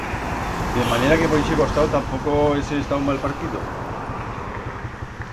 De manera que por ixe costau tampoco hese estau mal partido.